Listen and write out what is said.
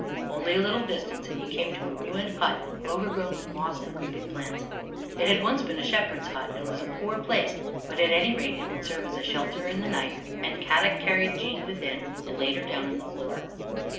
Only a little distance and he came to a ruined hut overgrown with moss and creep ing plants. It had once been a shepherd's hut and was a poor place, but at any rate it would serve as a shelter from the night and Kadok carried Jean within and laid her down on the floor.